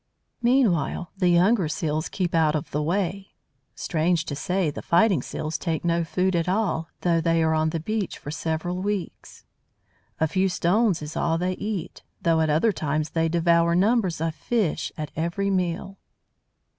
Meanwhile, the younger Seals keep out of the way. Strange to say, the fighting Seals take no food at all, though they are on the beach for several weeks. A few stones is all they eat, though at other times they devour numbers of fish at every meal.